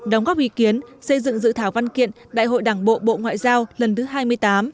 đóng góp ý kiến xây dựng dự thảo văn kiện đại hội đảng bộ bộ ngoại giao lần thứ hai mươi tám